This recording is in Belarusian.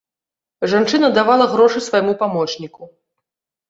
Жанчына давала грошы свайму памочніку.